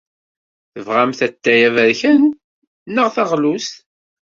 Tebɣamt atay aberkan neɣ taɣlust?